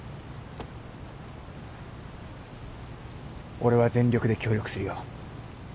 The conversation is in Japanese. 俺は全力で協力するよ。